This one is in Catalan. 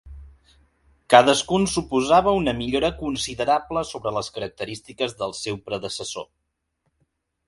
Cadascun suposava una millora considerable sobre les característiques del seu predecessor.